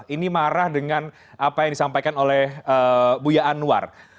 ini marah dengan apa yang disampaikan oleh buya anwar